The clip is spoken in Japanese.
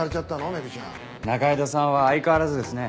メグちゃん。仲井戸さんは相変わらずですね。